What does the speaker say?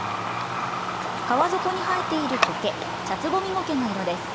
川底に生えているコケ、チャツボミゴケの色です。